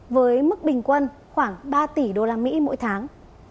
với mức bình quân khoảng ba tỷ đô la mỹ mỗi tháng